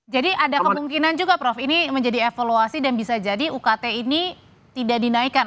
jadi ada kemungkinan juga prof ini menjadi evaluasi dan bisa jadi ukt ini tidak dinaikkan